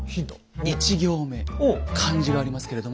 １行目漢字がありますけれども。